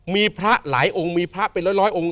มีพระหลายองค์มีพระเป็นร้อยองค์